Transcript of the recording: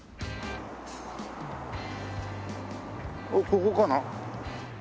おっここかな？